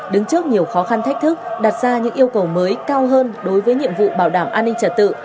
đứng trước nhiều khó khăn thách thức đặt ra những yêu cầu mới cao hơn đối với nhiệm vụ bảo đảm an ninh trật tự